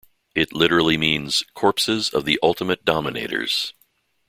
It literally means "corpses of the ultimate dominators".